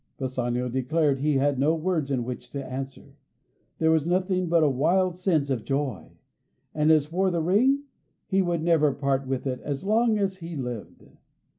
Bassanio declared he had no words in which to answer; there was nothing but a wild sense of joy. And as for the ring, he would never part with it as long as he lived.